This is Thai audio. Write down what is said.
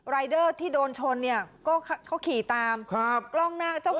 รายเดอร์ที่โดนชนเนี่ยก็เขาขี่ตามครับ